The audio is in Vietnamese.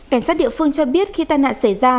cảnh sát địa phương cho biết khi tai nạn xảy ra